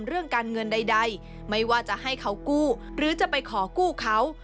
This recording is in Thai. เรื่องการเงินใดไม่ว่าจะให้เขากู้หรือจะไปขอกู้เขา